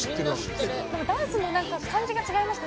ダンスも感じが違いましたね。